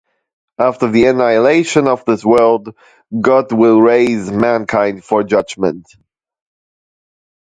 After the annihilation of this world, God will raise mankind for Judgement.